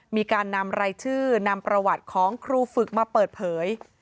มีการนำรายชื่อนำประวัติของครูฝึกมาเปิดเผย